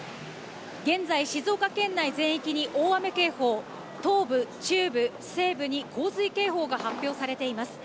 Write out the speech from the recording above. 現在、静岡県内全域に大雨警報、東部、中部、西部に洪水警報が発表されています。